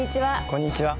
こんにちは。